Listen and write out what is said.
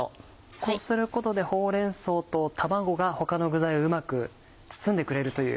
こうすることでほうれん草と卵が他の具材をうまく包んでくれるという。